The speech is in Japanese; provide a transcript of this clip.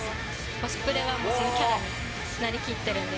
コスプレはそのキャラになりきってるんで。